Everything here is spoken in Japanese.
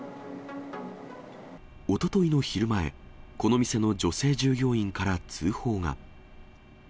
おとといの昼前、この店の女性従業員から通報が。